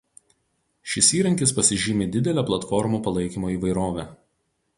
Šis įrankis pasižymi didele platformų palaikymo įvairove.